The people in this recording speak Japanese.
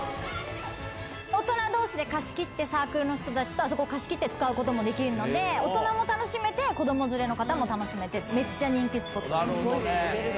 大人どうしで貸し切って、サークルの人たちとあそこ貸し切って使うこともできるので、大人も楽しめて、子ども連れの方も楽しめて、めっちゃ人気スポッなるほどね。